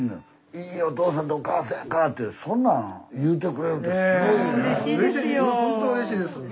いいお義父さんとお義母さんやんかってそんなん言うてくれるってすごいよね。